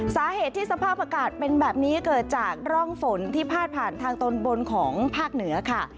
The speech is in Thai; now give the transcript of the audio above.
สาเหตุที่สภาพอากาศเป็นแบบนี้เกิดจากร่องฝนที่พาดผ่านทางตอนบนของภาคเหนือค่ะ